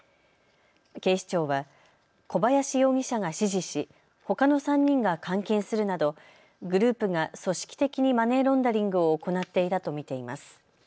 警視庁は小林容疑者が指示しほかの３人が換金するなどグループが組織的にマネーロンダリングを行っていたと見ています。